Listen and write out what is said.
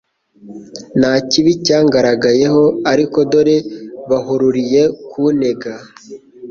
Nta kibi cyangaragayeho ariko dore bahururiye kuntega